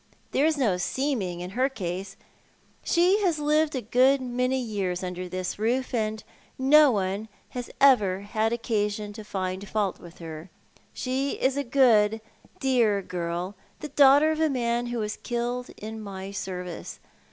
" There is no seeming in her case. She has lived a good many years under this roof, and no one has ever had occasion to find fault with her. She is a dear, good girl, the daughter of a man who was killed in my service.